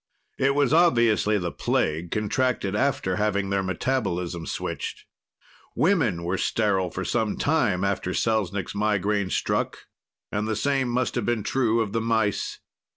It was obviously the plague, contracted after having their metabolism switched. Women were sterile for some time after Selznik's migraine struck, and the same must have been true of the mice.